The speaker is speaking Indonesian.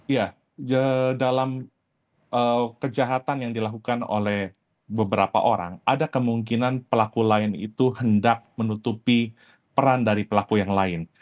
ya dalam kejahatan yang dilakukan oleh beberapa orang ada kemungkinan pelaku lain itu hendak menutupi peran dari pelaku yang lain